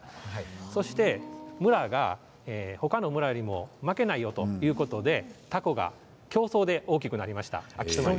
そして、村が他の村よりも負けないよということでたこが競争で大きくなりました。